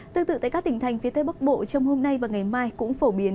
tương tự tại các tỉnh thành phía tây bắc bộ trong hôm nay và ngày mai cũng phổ biến